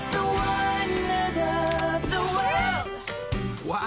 うわ